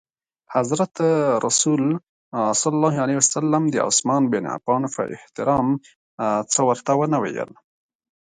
حضرت رسول ص د عثمان بن عفان په احترام څه ورته ونه ویل.